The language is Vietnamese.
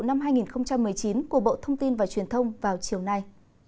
năm hai nghìn một mươi chín của bộ thông tin và truyền thông vào chiều nay